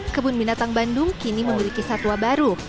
kebun binatang bandung kini memiliki satwa baru